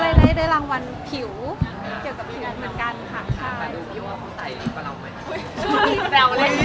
ได้ได้รางวัลผิวเกี่ยวกับชีวิตเหมือนกันค่ะ